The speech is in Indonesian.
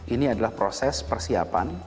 ini adalah proses persiapan